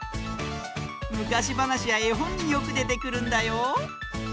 むかしばなしやえほんによくでてくるんだよ。